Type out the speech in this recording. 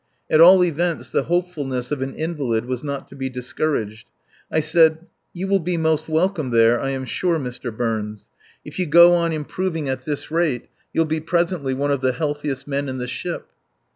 At all events, the hopefulness of an invalid was not to be discouraged. I said: "You will be most welcome there, I am sure, Mr. Burns. If you go on improving at this rate you'll be presently one of the healthiest men in the ship."